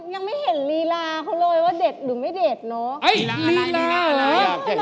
ยังไม่เห็นลีลาเขาเลยว่าเด็ดหรือไม่เด็ดเนอะ